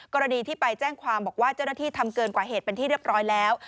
กรณีที่ไปแจ้งความบอกว่าเจ้าหน้าที่ทำเกินกว่าเหตุเป็นที่เรียบร้อยแล้ว